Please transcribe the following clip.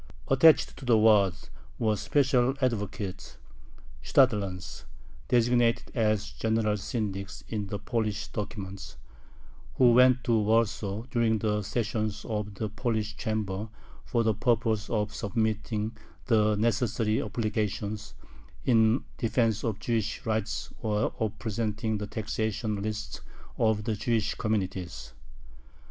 Attached to the Waads were special advocates (shtadlans, designated as "general syndics" in the Polish documents), who went to Warsaw during the sessions of the Polish Chamber for the purpose of submitting the necessary applications in defense of Jewish rights or of presenting the taxation lists of the Jewish communities.